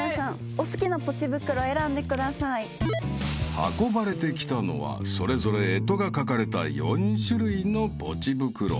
［運ばれてきたのはそれぞれ干支が描かれた４種類のポチ袋］